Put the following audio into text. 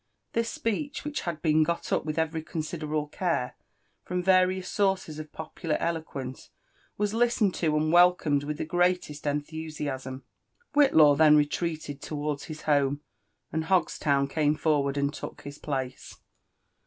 This speech, which had been got up with very considerable care from various sources of popular eloquence, was listened to and wel comed with the greatest enthusiaSm. Whitlaw then relrealed towards his home; and Hogslown came forward and took his place.